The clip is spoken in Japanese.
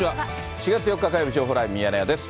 ４月４日火曜日、情報ライブミヤネ屋です。